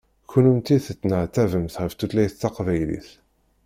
Kunemti tettneɛtabemt ɣef tutlayt taqbaylit.